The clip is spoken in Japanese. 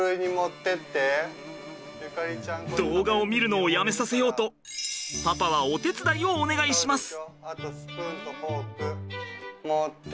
動画を見るのをやめさせようとパパはお手伝いをお願いします。